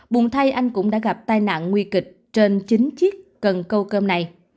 buồn thay anh cũng đã gặp tai nạn nguy kịch trên chín chiếc cần câu cơm này